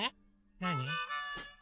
なに？